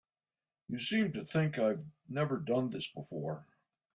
You seem to think I've never done this before.